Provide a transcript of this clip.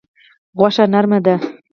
غوښه نرمه ده.